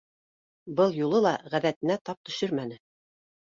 Был юлы ла ғәҙәтенә тап төшөрмәне.